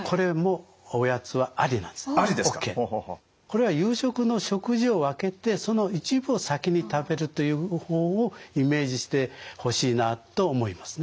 これは夕食の食事を分けてその一部を先に食べるという方法をイメージしてほしいなと思いますね。